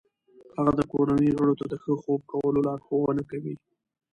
هغه د کورنۍ غړو ته د ښه خوب کولو لارښوونه کوي.